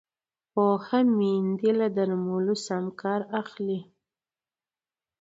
پوهه میندې له درملو سم کار اخلي۔